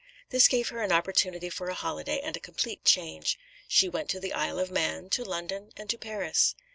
This gave her an opportunity for a holiday and a complete change. She went to the Isle of Man, to London, and to Paris.